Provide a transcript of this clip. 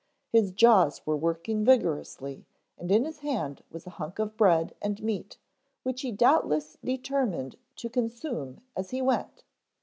His jaws were working vigorously and in his hand was a hunk of bread and meat which he doubtless determined to consume as he went.